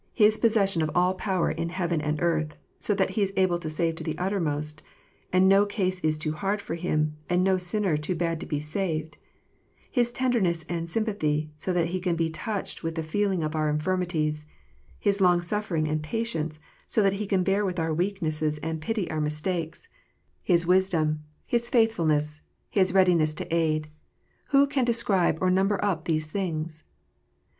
His possession of all power in heaven and earth, so that He is able to save to the uttermost, and no case is too hard for Him, and no sinner too bad to be saved, His tenderness and sympathy, so that He can be touched with the feeling of our infirmities, His long suffering and patience, so that He can bear with our weaknesses and pity THE PRIEST. 251 our mistakes, His wisdom, His faithfulness, His readiness to nidj w ho can describe or number up these things?